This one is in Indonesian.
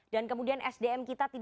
dan kemudian sdm kita tidak banyak begitu